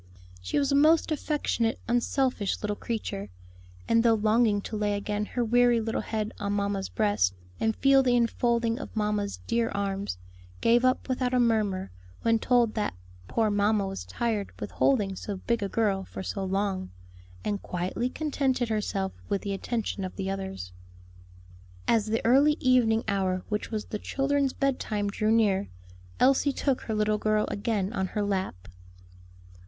She was a most affectionate, unselfish little creature, and though longing to lay again her weary little head on mamma's breast, and feel the enfolding of mamma's dear arms, gave up without a murmur, when told that "poor mamma was tired with holding so big a girl for so long," and quietly contented herself with the attention of the others. As the early evening hour which was the children's bed time drew near, Elsie took her little girl again on her lap.